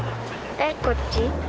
えっこっち。